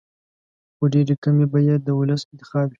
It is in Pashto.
خو ډېرې کمې به یې د ولس انتخاب وي.